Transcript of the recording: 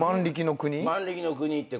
『万力の国』って。